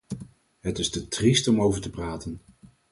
Het is te triest om over te praten.